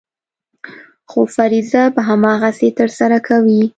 خو فریضه به هماغسې ترسره کوې.